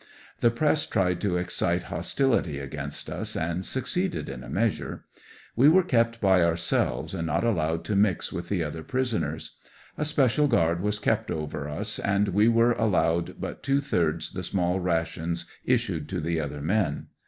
The press tried to excite hostility against us, and succeeded, in a measure. We were kept by ourselves and not allowed to mix with the other prisoners. A special guard was kept over us, and we were allowed but two thirds the small ra tions issued to the other men.